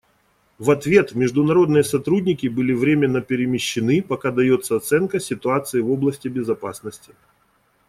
В ответ международные сотрудники были временно перемещены, пока дается оценка ситуации в области безопасности.